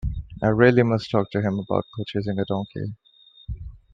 I really must talk to him about purchasing a donkey.